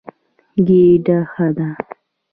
ګېډه ښه ده.